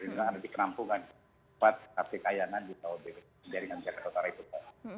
ini kan ada dikenampungkan empat arti kayangan di bawah jaringan jakarta republik